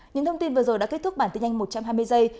những thông tin vừa rồi đã kết thúc bản tin nhanh một trăm hai mươi giây